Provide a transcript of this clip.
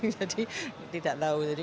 jadi tidak tahu